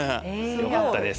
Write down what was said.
よかったです。